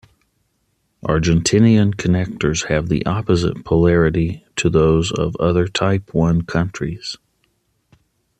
Argentinean connectors have the opposite polarity to those of other Type One countries.